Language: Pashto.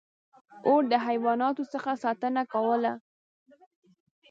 • اور د حیواناتو څخه ساتنه کوله.